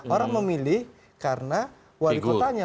orang memilih karena wali kotanya